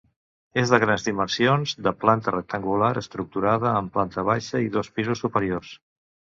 És de grans dimensions, de planta rectangular estructurada en planta baixa i dos pisos superiors.